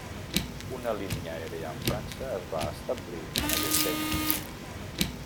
Una línia aèria amb França es va establir en aquell temps.